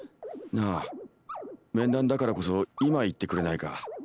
なあ面談だからこそ今言ってくれないか。